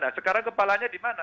nah sekarang kepalanya dimana